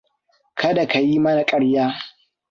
Ka da ka yi mana ƙarya.